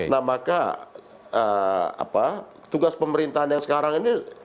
nah maka tugas pemerintahan yang sekarang ini